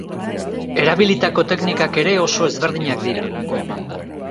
Erabilitako teknikak ere oso ezberdinak dira.